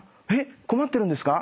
困ってるんですか？